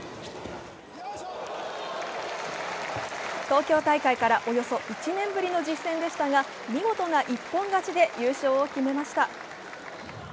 東京大会からおよそ１年ぶりの実戦でしたが見事な一本勝ちで優勝を決めました。